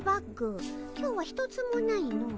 今日は一つもないの。